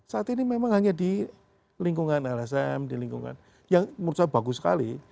saat ini memang hanya di lingkungan lsm di lingkungan yang menurut saya bagus sekali